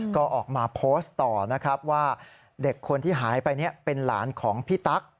ก็ออกมาโพสต์ต่อนะครับว่าเด็กคนที่หายไปเป็นหลานของพี่ตั๊ก